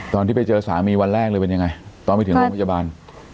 ตอนที่ไปเจอสามีวันแรกเลยเป็นยังไงตอนไปถึงโรงพยาบาล